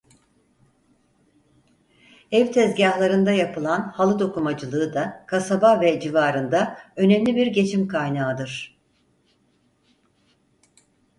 Ev tezgâhlarında yapılan halı dokumacılığı da kasaba ve civarında önemli bir geçim kaynağıdır.